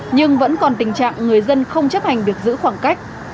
nhưng vẫn còn tình trạng người dân không chấp hành việc giữ khoảng cách